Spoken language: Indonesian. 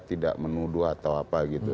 tidak menuduh atau apa gitu